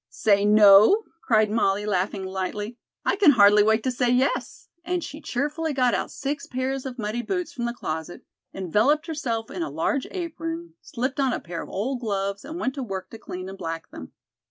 "Say no?" cried Molly, laughing lightly. "I can hardly wait to say yes," and she cheerfully got out six pairs of muddy boots from the closet, enveloped herself in a large apron, slipped on a pair of old gloves and went to work to clean and black them.